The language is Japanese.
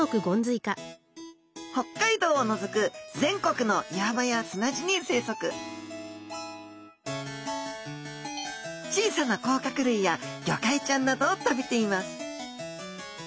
北海道を除く全国の岩場や砂地に生息小さな甲殻類やギョカイちゃんなどを食べています